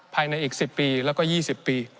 ภายในอีก๑๐ปีและ๒๐ปี